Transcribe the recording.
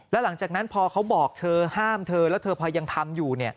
แล้วหลังจากนั้นพอเขาบอกเธอห้ามเธอแล้วเธอพอยังทำอยู่